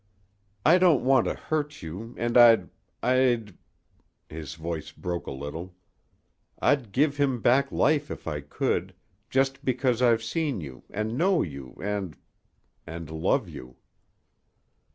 I don't want to hurt you, and I'd I'd" his voice broke a little "I'd give him back life if I could, just because I've seen you and know you and and love you."